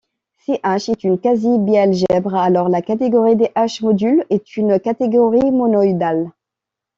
Si H est une quasi-bialgèbre, alors la catégorie des H-modules est une catégorie monoïdale.